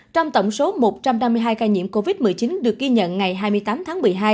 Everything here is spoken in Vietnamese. trong tổng số một trăm năm mươi hai ca nhiễm covid một mươi chín được ghi nhận ngày hai mươi tám tháng một mươi hai